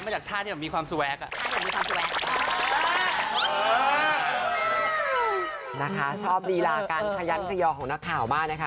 ชอบรีราการไขยั้นธยอยน์ของหนักข่าวมากนะค่ะ